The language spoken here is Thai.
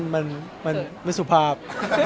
มันมันสุภาพ